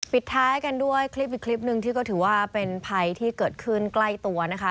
ปิดท้ายกันด้วยคลิปอีกคลิปหนึ่งที่ก็ถือว่าเป็นภัยที่เกิดขึ้นใกล้ตัวนะคะ